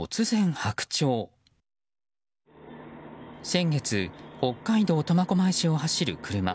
先月、北海道苫小牧市を走る車。